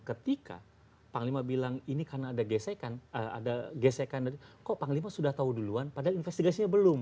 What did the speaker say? ketika panglima bilang ini karena ada gesekan ada gesekan dari kok panglima sudah tahu duluan padahal investigasinya belum